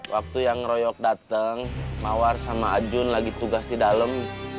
waktu yang ngeroyok datang mawar sama ajun lagi tugas di dalam